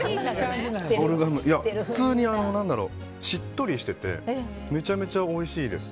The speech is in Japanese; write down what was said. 普通にしっとりしててめちゃめちゃおいしいです。